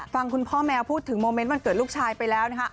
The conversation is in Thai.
ฟังคุณพ่อแมวพูดถึงโมเมนต์วันเกิดลูกชายไปแล้วนะคะ